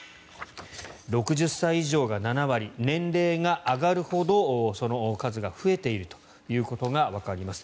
６０歳以上が７割年齢が上がるほどその数が増えているということがわかります。